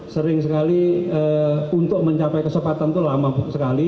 sering sekali untuk mencapai kesempatan itu lama sekali